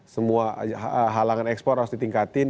semua halangan ekspor harus ditingkatin